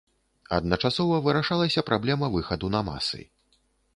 Адначасова вырашалася праблема выхаду на масы.